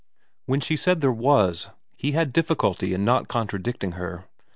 When she said there was he had difficulty in not contradicting her.